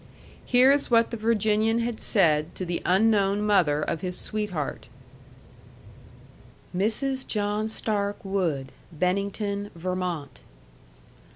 Here is what the Virginian had said to the unknown mother of his sweetheart. MRS. JOHN STARK WOOD Bennington, Vermont.